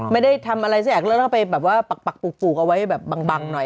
ไม่ได้ทำอะไรสักอย่างแล้วก็ไปแบบว่าปักปลูกเอาไว้แบบบังหน่อย